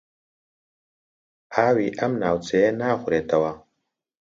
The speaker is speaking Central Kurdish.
ئاوی ئەم ناوچەیە ناخورێتەوە.